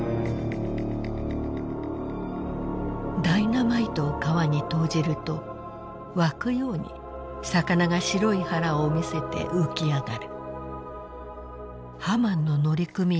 「ダイナマイトを川に投じると涌くように魚が白い腹をみせて浮きあがる」。